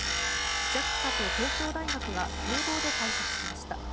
ＪＡＸＡと東京大学が共同で開発しました。